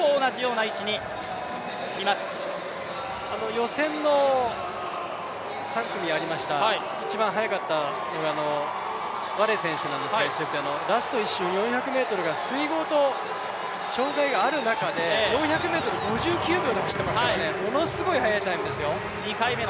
予選の３組ありました、一番速かったワレ選手なんですけどエチオピアの、ラスト１周、４００ｍが水濠と障害がある中で、４００ｍを５９秒で走っていますからものすごい速いタイムですよ。